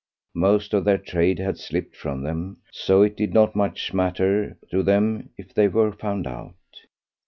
Most of their trade had slipped from them, so it did not much matter to them if they were found out.